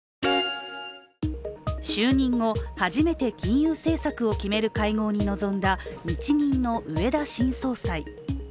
就任後、初めて金融政策を決める会合に臨んだ日銀の植田新総裁。